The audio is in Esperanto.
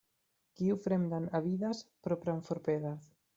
Kiu fremdan avidas, propran forperdas.